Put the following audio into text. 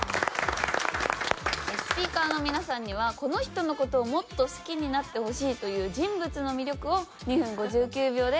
スピーカーの皆さんにはこの人の事をもっと好きになってほしいという人物の魅力を２分５９秒で語っていただきます。